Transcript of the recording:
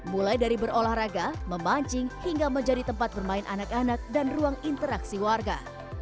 mulai dari berolahraga memancing hingga menjadi tempat bermain anak anak dan ruang interaksi warga